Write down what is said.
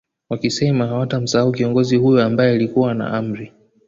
Wakisema hawatamsahau kiongozi huyo ambae alikuwa na Amri